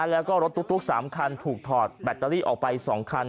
แล้วก็รถตุ๊ก๓คันถูกถอดแบตเตอรี่ออกไป๒คัน